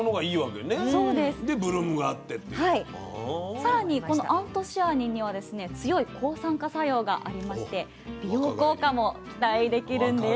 さらにこのアントシアニンにはですね強い抗酸化作用がありまして美容効果も期待できるんです。